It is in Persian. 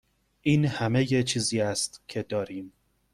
این همه چیزی است که داریم.